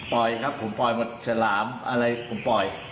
ครับผมปล่อยหมดฉลามอะไรผมปล่อย